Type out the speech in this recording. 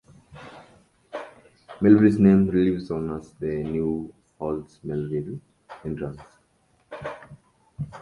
Melville's name lives on as the new hall's "Melville Entrance".